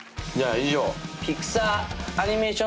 以上。